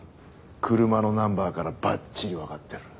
車のナンバーからばっちりわかってる。